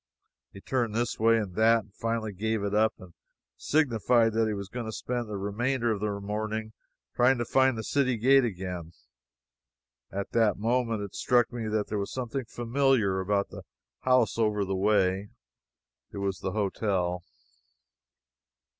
He turned this way and that, and finally gave it up and signified that he was going to spend the remainder of the morning trying to find the city gate again. At that moment it struck me that there was something familiar about the house over the way. It was the hotel!